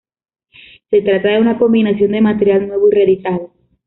Se trata de una combinación de material nuevo y reeditado.